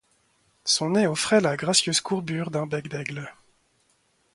Son nez offrait la gracieuse courbure d’un bec d’aigle.